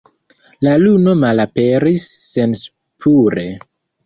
La luno malaperis senspure.